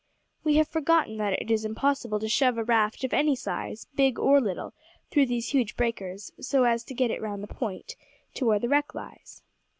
"We have forgotten that it is impossible to shove a raft of any size, big or little, through these huge breakers, so as to get it round the point, to where the wreck lies."